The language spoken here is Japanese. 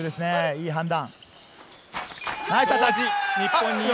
いい判断。